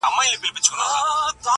په خندا پاڅي په ژړا يې اختتام دی پيره.